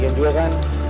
bisa juga kan